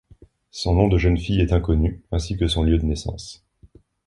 Son nom de jeune fille est inconnu ainsi que son lieu de naissance.